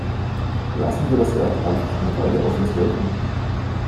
Lassen wir das Werk einfach eine Weile auf uns wirken!